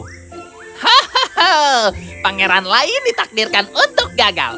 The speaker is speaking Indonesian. hahaha pangeran lain ditakdirkan untuk gagal